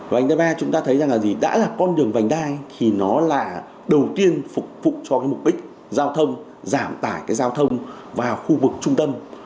vành đai ba chúng ta thấy rằng là gì đã là con đường vành đai thì nó là đầu tiên phục vụ cho cái mục đích giao thông giảm tải cái giao thông vào khu vực trung tâm